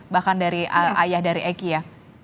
bahkan dari ayah dari eki ya